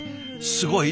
すごい！